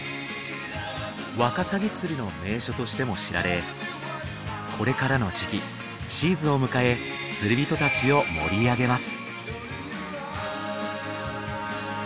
ワカサギ釣りの名所としても知られこれからの時期シーズンを迎え釣り人たちを盛り上げます